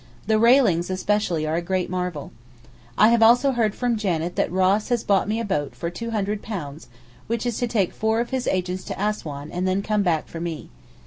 The railings, especially, are a great marvel. I have also heard from Janet that Ross has bought me a boat for £200 which is to take four of his agents to Assouan and then come back for me.